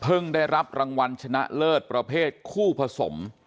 ได้รับรางวัลชนะเลิศประเภทคู่ผสม